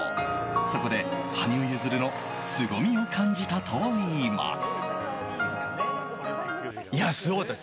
そこで羽生結弦のすごみを感じたといいます。